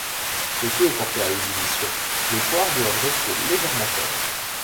Le tout est porté à ébullition, les poires doivent rester légèrement fermes.